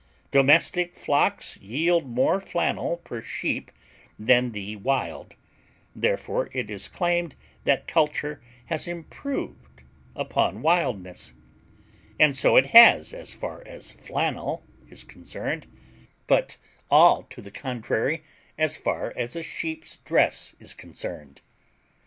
Domestic flocks yield more flannel per sheep than the wild, therefore it is claimed that culture has improved upon wildness; and so it has as far as flannel is concerned, but all to the contrary as far as a sheep's dress is concerned.